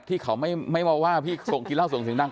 ที่เขาไม่มาว่าพี่ส่งกินเหล้าส่งเสียงดัง